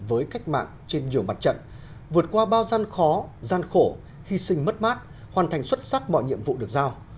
với cách mạng trên nhiều mặt trận vượt qua bao gian khó gian khổ hy sinh mất mát hoàn thành xuất sắc mọi nhiệm vụ được giao